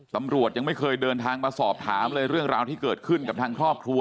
ตำรวจยังไม่เคยเดินทางมาสอบถามเลยเรื่องราวที่เกิดขึ้นกับทางครอบครัว